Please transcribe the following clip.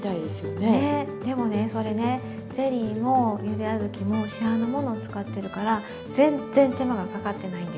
ねでもねそれねゼリーもゆであずきも市販のものを使ってるから全然手間がかかってないんです。